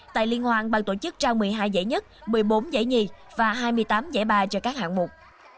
tại liên hoàng ban tổ chức trao một mươi hai giải nhất một mươi bốn giải nhì và hai mươi tám giải ba cho các hạng mục